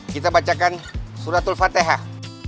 kita bacakan suratul fatahah